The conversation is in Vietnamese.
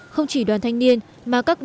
không chỉ đoàn thanh niên mà các đơn vị